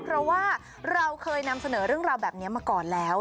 เพราะว่าเราเคยนำเสนอเรื่องราวแบบนี้มาก่อนแล้ว